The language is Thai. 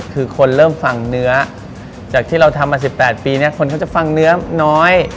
คือคนเริ่มฟังเนื้อจากที่เราทำมา๑๘ปีเนี่ยคนเขาจะฟังเนื้อน้อย